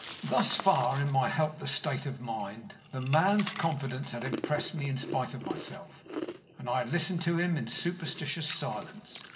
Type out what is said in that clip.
Thus far, in my helpless state of mind, the man's confidence had impressed me in spite of myself, and I had listened to him in superstitious silence.